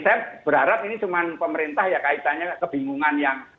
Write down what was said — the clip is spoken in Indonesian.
saya berharap ini cuma pemerintah ya kaitannya kebingungan yang